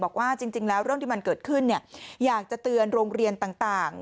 บอกว่าจริงแล้วเรื่องที่มันเกิดขึ้นอยากจะเตือนโรงเรียนต่าง